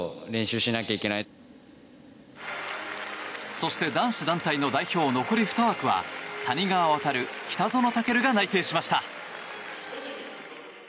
そして、男子団体の代表残り２枠は谷川航、北園丈琉が内定しました。